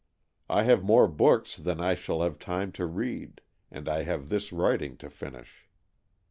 I have more books than I shall have time to read, and I have this wTiting to finish.